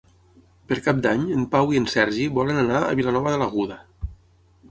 Per Cap d'Any en Pau i en Sergi volen anar a Vilanova de l'Aguda.